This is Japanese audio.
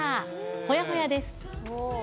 ほやほやです。